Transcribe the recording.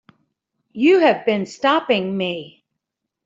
You have been stopping me.